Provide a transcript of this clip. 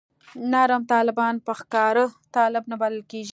نرم طالبان په ښکاره طالب نه بلل کېږي.